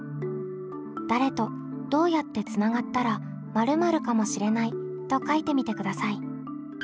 誰とどうやってつながったら○○かもしれないと書いてみてください。